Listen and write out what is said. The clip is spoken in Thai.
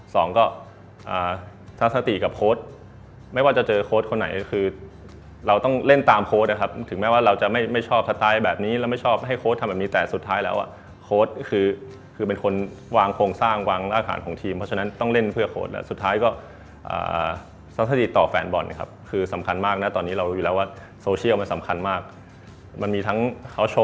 สองก็ถ้าสติกับโค้ดไม่ว่าจะเจอโค้ดคนไหนคือเราต้องเล่นตามโค้ดนะครับถึงแม้ว่าเราจะไม่ชอบสไตล์แบบนี้แล้วไม่ชอบให้โค้ดทำแบบนี้แต่สุดท้ายแล้วอ่ะโค้ดคือคือเป็นคนวางโครงสร้างวางรากฐานของทีมเพราะฉะนั้นต้องเล่นเพื่อโค้ดแล้วสุดท้ายก็สถิติต่อแฟนบอลนะครับคือสำคัญมากนะตอนนี้เรารู้อยู่แล้วว่าโซเชียลมันสำคัญมากมันมีทั้งเขาชว